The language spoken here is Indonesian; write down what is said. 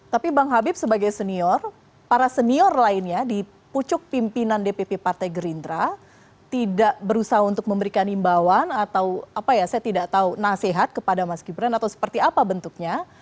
tapi bang habib sebagai senior para senior lainnya di pucuk pimpinan dpp partai gerindra tidak berusaha untuk memberikan imbauan atau apa ya saya tidak tahu nasihat kepada mas gibran atau seperti apa bentuknya